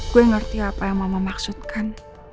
gue ngerti apa yang mama maksudkan